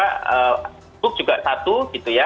produk juga satu gitu ya